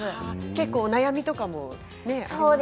結構、お悩みとかも。